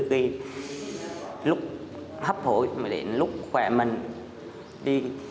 đến lúc hấp hổi đến lúc khỏe mình đi